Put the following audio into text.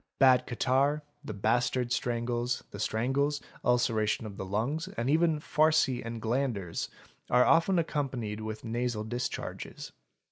Bad catarrh, the bastard strangles, the strangles, ulceration of the lungs, and even farcy and glanders, are often accompanied with nasal discharges.